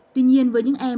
tuy nhiên với những em